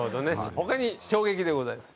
他に「衝撃」でございます。